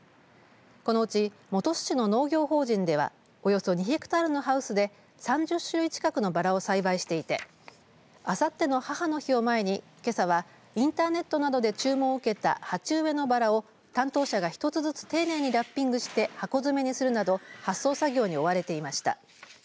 このうち本巣市の農業法人ではおよそ２ヘクタールのハウスで３０種類近くのバラを栽培していてあさっての母の日を前にけさはインターネットなどで注文を受けた鉢植えのバラを担当者が１つずつ丁寧にラッピングして箱詰めにするなど発送作業に追われていました。